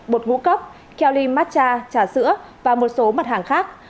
bột ngũ cốc kelly matcha trà sữa và một số mặt hàng khác